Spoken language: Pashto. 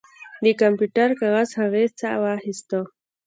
د کمپیوټر کاغذ هغې ساه واخیسته